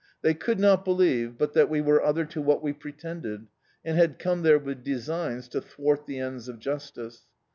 They could not believe but that we were other to what we pretended, and had oxne there with designs to thwart the ends of justice.